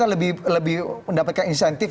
lebih mendapatkan insentif